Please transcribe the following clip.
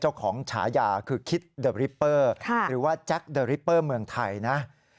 ฉายาคือคิดเดอริปเปอร์หรือว่าแจ็คเดอริปเปอร์เมืองไทยนะ